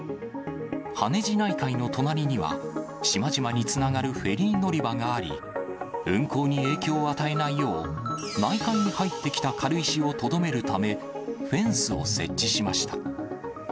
羽地内海の隣には島々につながるフェリー乗り場があり、運航に影響を与えないよう内海に入ってきた軽石をとどめるため、フェンスを設置しました。